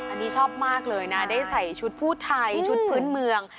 อันนี้ชอบมากเลยนะได้ใส่ชุดผู้ไทยชุดพื้นเมือง